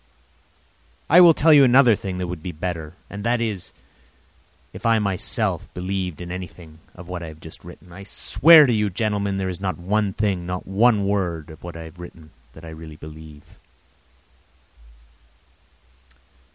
I will tell you another thing that would be better, and that is, if I myself believed in anything of what I have just written. I swear to you, gentlemen, there is not one thing, not one word of what I have written that I really believe.